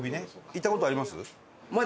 行った事あります？